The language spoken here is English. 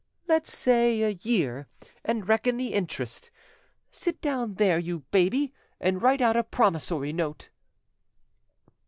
"Let's say a year, and reckon the interest. Sit down there, you baby, and write out a promissory note."